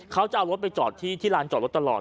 เขาจะเอารถไปจอดที่ลานจอดรถตลอด